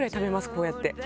こうやって。